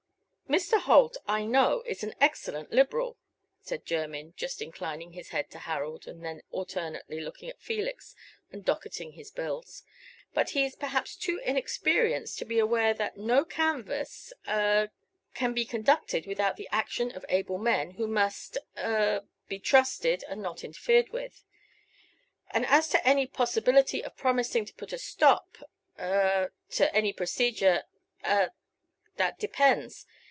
"Mr. Holt, I know, is an excellent Liberal," said Jermyn, just inclining his head to Harold, and then alternately looking at Felix and docketing his bills; "but he is perhaps too inexperienced to be aware that no canvass a can be conducted without the action of able men, who must a be trusted, and not interfered with. And as to any possibility of promising to put a stop a to any procedure a that depends.